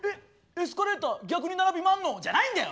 エスカレーター逆に並びまんの？じゃないんだよ！